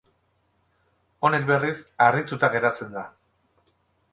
Honek berriz, harrituta geratzen da.